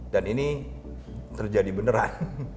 dan ini terjadi beneran